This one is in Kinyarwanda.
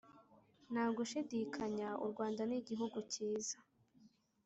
Nta gushidikanya u Rwanda ni iguhugu cyiza